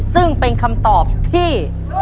ซึ่งเป็นคำตอบที่